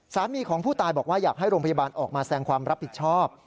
สามีของผู้ตายบอกว่าอยากให้โรงพยาบาลออกมาแสงความรับผิดชอบ